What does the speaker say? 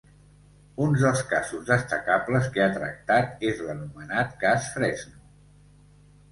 Un dels casos destacables que ha tractat és l'anomenat cas Fresno.